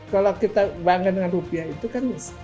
kalau kita bangga dengan rupiah itu kan